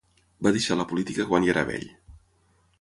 Va deixar la política quan ja era vell.